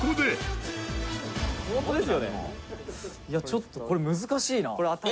いやちょっとこれ難しいな」